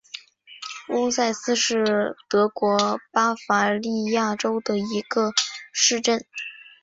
翁塞斯是德国巴伐利亚州的一个市镇。